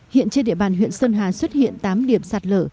hiện trên địa bàn huyện sơn hà xuất hiện tám điểm sạt lở